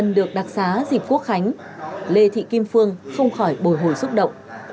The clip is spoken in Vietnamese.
mình được đặc sá dịp quốc khánh lê thị kim phương không khỏi bồi hồi xúc động